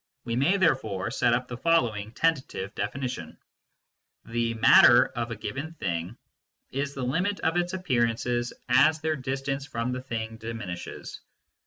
We may therefore set up the following tentative definition : The matter of a given thing is the limit of its appear ances as their distance from the thing diminishes.